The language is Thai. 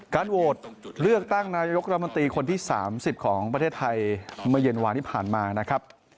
โหวตเลือกตั้งนายกรัฐมนตรีคนที่๓๐ของประเทศไทยเมื่อเย็นวานที่ผ่านมานะครับ